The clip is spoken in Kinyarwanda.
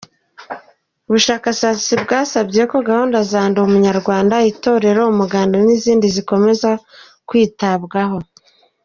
Ubushakashatsi bwasabye ko gahunda za Ndi Umunyarwanda, Itorero, Umuganda n’izindi zikomeza kwitabwaho.